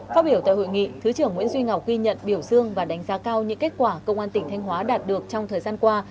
phát biểu tại hội nghị thứ trưởng nguyễn duy ngọc ghi nhận biểu dương và đánh giá cao những kết quả công an tỉnh thanh hóa đạt được trong thời gian qua